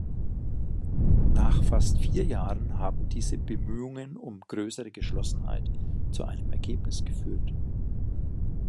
Nach fast vier Jahren haben diese Bemühungen um größere Geschlossenheit zu einem Ergebnis geführt.